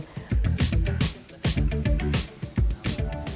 bagaimana cara anda mengenalnya